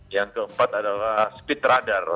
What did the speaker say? yang keempat adalah speed radar